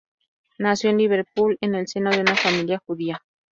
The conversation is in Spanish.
Nació en Liverpool en el seno de una familia judía.